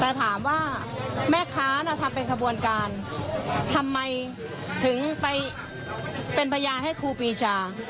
แต่ถามว่าแม่ค้าน่ะทำเป็นขบวนการทำไมถึงไปเป็นพยานให้ครูปีชา